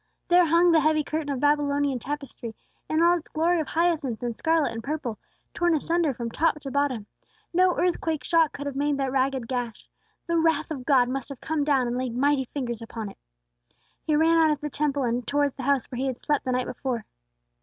There hung the heavy curtain of Babylonian tapestry, in all its glory of hyacinth and scarlet and purple, torn asunder from top to bottom. No earthquake shock could have made that ragged gash. The wrath of God must have come down and laid mighty fingers upon it. He ran out of the Temple, and towards the house where he had slept the night before.